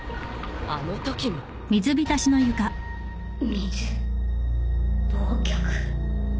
水忘却。